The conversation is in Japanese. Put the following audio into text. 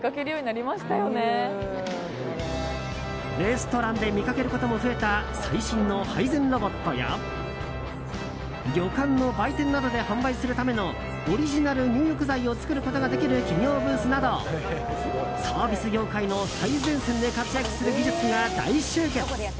レストランで見かけることも増えた最新の配膳ロボットや旅館の売店などで販売するためのオリジナル入浴剤を作ることができる企業ブースなどサービス業界の最前線で活躍する技術が大集結。